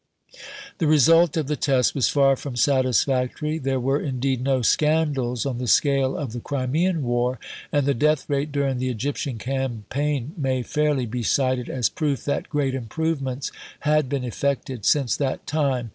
The result of the test was far from satisfactory. There were, indeed, no scandals on the scale of the Crimean War, and the death rate during the Egyptian campaign may fairly be cited as proof that great improvements had been effected since that time.